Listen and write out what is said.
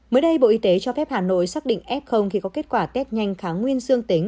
mới đây bộ y tế cho phép hà nội xác định f khi có kết quả test nhanh kháng nguyên dương tính